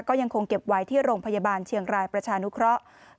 ก็ยังคงเก็บไว้ที่โรงพยาบาลเชียงรายประชานุเคราะห์